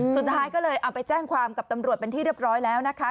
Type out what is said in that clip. สุดท้ายก็เลยเอาไปแจ้งความกับตำรวจเป็นที่เรียบร้อยแล้วนะคะ